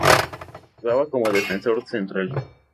Jugaba como defensor central.